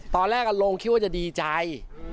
ตอนแรกอารมณ์คิดว่าจะดีใจ